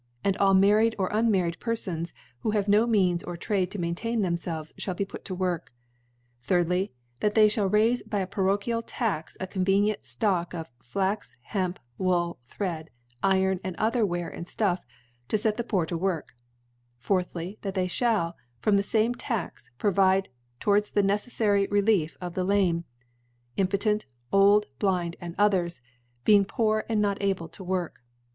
And all iharried or unmarried Pcrfons, who have no Means or Trade to msuntain themfelves, Ihall be put to Work, Tbirdlyy That they Ihall rwfe, by a Pa rochial Tax, a convenient Stock of Flax, Hemp, Wool, Thread, Iron, and other Ware and Stuff, to fct the Poor to Work, Fouribfyy That they (hall, from the fame Tax, provide towards the neccflary Relief of the Lame, Impotent, Old, Blind, and others, being Poor, and not able to work.